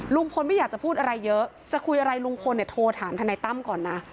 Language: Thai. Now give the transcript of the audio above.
ลุงพลไม่อยากจะพูดอะไรเยอะจะคุยอะไรลุงพลเนี่ยโทรถามทนายตั้มก่อนนะ